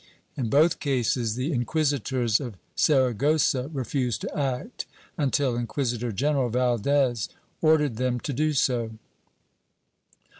In both cases the inquisitors of Sara gossa refused to act until Inquisitor general Valdes ordered them to do so.